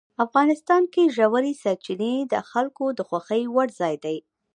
افغانستان کې ژورې سرچینې د خلکو د خوښې وړ ځای دی.